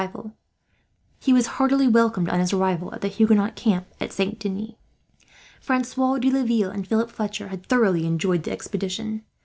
He was heartily welcomed on his arrival at the Huguenot camp at Saint Denis. Francois de Laville and Philip Fletcher had thoroughly enjoyed the expedition.